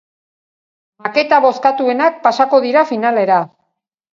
Maketa bozkatuenak pasako dira finalera.